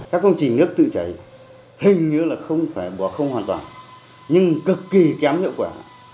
các công trình nước tự chảy hình như là không phải bỏ không hoàn toàn nhưng cực kỳ kém hiệu quả